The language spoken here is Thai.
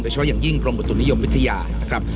แต่ช่วยอย่างยิ่งกรมบุตุนิยมวิทยานะครับ